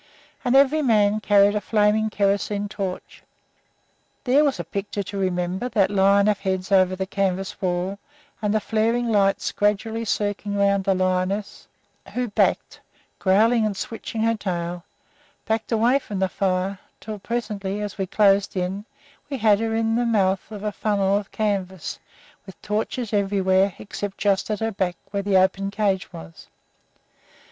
And every man carried a flaming kerosene torch. There was a picture to remember, that line of heads over the canvas wall, and the flaring lights gradually circling around the lioness, who backed, growling and switching her tail backed away from the fire, until presently, as we closed in, we had her in the mouth of a funnel of canvas, with torches everywhere, except just at her back, where the open cage was.